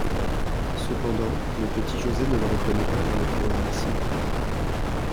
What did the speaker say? Cependant, le petit José ne le reconnaît pas comme étant le ravisseur...